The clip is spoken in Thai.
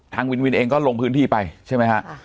ทางวินวินเองก็ลงพื้นที่ไปใช่ไหมฮะ